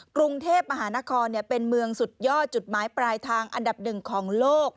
กรุงเทพมหานครเป็นเมืองสุดยอดจุดหมายปลายทางอันดับหนึ่งของโลก